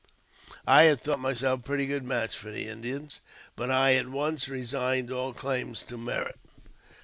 I had thought myself a pretty good match for the Indians, but I at once resigned all claims to merit.